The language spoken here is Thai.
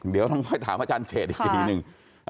เดี๋ยวต้องไปถามอาจารย์เฉดอีกทีหนึ่ง